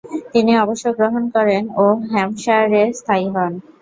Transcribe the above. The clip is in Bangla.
তিনি অবসর গ্রহণ করেন ও হ্যাম্পশায়ারে স্থায়ী হন।